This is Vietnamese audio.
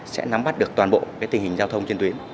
sẽ nắm bắt được toàn bộ tình hình giao thông trên tuyến